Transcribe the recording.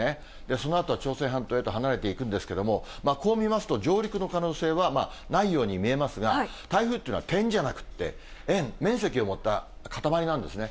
そのあとは朝鮮半島へと離れていくんですけども、こう見ますと、上陸の可能性はないように見えますが、台風っていうのは点じゃなくって円、面積を持った固まりなんですね。